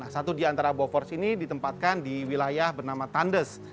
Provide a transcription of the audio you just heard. satu di antara bofors ini ditempatkan di wilayah bernama tandes